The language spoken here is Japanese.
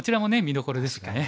見どころですよね。